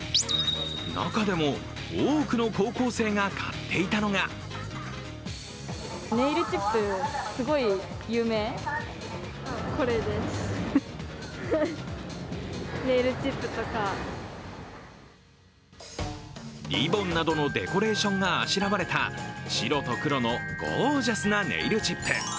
中でも、多くの高校生が買っていたのがリボンなどのデコレーションがあしらわれた白と黒のゴージャスなネイルチップ。